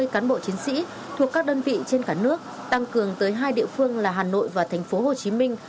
ba mươi cán bộ chiến sĩ thuộc các đơn vị trên cả nước tăng cường tới hai địa phương là hà nội và thành phố hồ chí minh